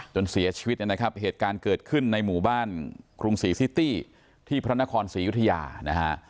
จนเสียชีวิตนะครับเหตุการณ์เกิดขึ้นในหมู่บ้านกรุงศรีซิตี้ที่พระนครศรียุธยานะฮะ